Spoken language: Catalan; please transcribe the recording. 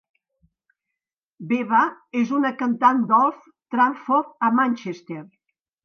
Veba és una cantant d'Old Trafford, a Manchester.